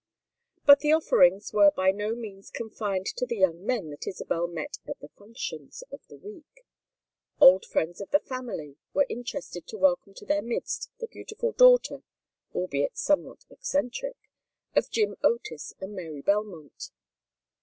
But the offerings were by no means confined to the young men that Isabel met at the functions of the week. "Old friends of the family" were interested to welcome to their midst the beautiful daughter (albeit somewhat eccentric) of Jim Otis and Mary Belmont.